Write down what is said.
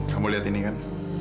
kamu lihat ini kan